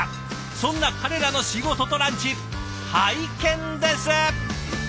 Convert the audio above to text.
そんな彼らの仕事とランチ拝見です！